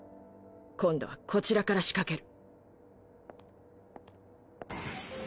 今度はこちらから仕掛ける。